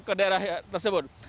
di daerah tersebut